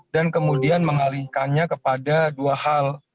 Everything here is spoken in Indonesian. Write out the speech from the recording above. dan kemudian mengalihkannya kepada dua hal